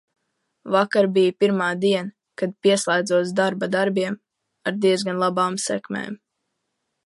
Vakar bija pirmā diena, kad pieslēdzos darba darbiem ar diezgan labām sekmēm.